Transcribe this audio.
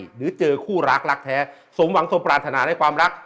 หรือเจอคู่รักรักแท้สมหวังสมปรารถนาในความรัก